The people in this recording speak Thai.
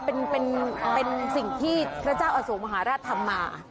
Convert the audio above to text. เป็นสิ่งที่พระเจ้าอสวงมหาราชทำมา